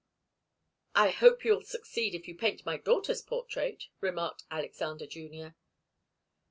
"I hope you'll succeed if you paint my daughter's portrait," remarked Alexander Junior.